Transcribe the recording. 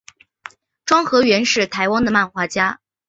庄河源是台湾的漫画家。